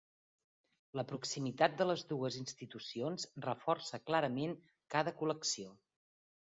La proximitat de les dues institucions reforça clarament cada col·lecció.